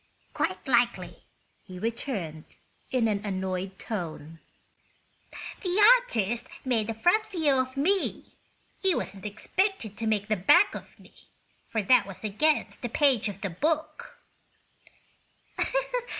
"Quite likely," he returned, in an annoyed tone. "The artist made a front view of me. He wasn't expected to make the back of me, for that was against the page of the book."